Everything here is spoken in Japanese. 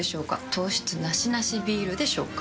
糖質ナシナシビールでしょうか？